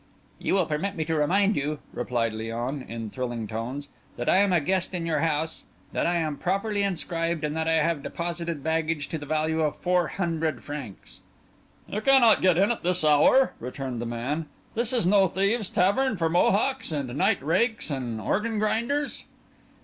"You will permit me to remind you," replied Léon, in thrilling tones, "that I am a guest in your house, that I am properly inscribed, and that I have deposited baggage to the value of four hundred francs." "You cannot get in at this hour," returned the man. "This is no thieves' tavern, for mohocks and night rakes and organ grinders."